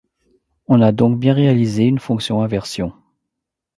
On a donc bien réalisé une fonction inversion.